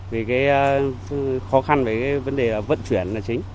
vì cái khó khăn về cái vấn đề vận chuyển là chính